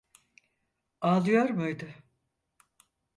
Ağlıyor muydu?